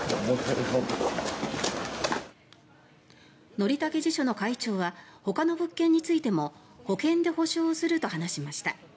則武地所の会長はほかの物件についても保険で補償をすると話しました。